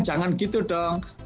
jangan gitu dong